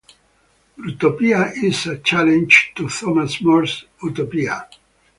"Brutopia" is a challenge to Thomas More's "Utopia".